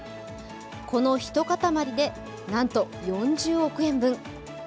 この一塊でなんと、４０億円分。